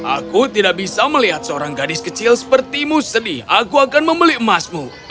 aku tidak bisa melihat seorang gadis kecil sepertimu sedih aku akan membeli emasmu